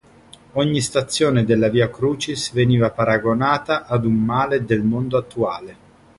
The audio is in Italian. Ogni stazione della Via Crucis veniva paragonata ad un male del mondo attuale.